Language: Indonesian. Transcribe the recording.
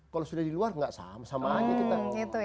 kalau sudah di luar tidak sama sama saja kita